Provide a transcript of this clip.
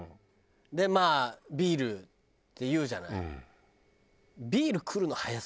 でまあ「ビール」って言うじゃない。